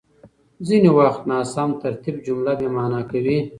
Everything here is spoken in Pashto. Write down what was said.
ځينې وخت ناسم ترتيب جمله بېمعنا کوي.